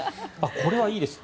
これはいいです。